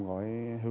một gói ma túy đá